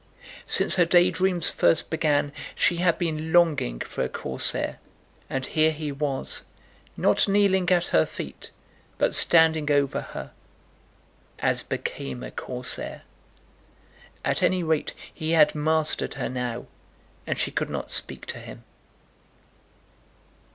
Since her daydreams first began, she had been longing for a Corsair; and here he was, not kneeling at her feet, but standing over her, as became a Corsair. At any rate he had mastered her now, and she could not speak to him.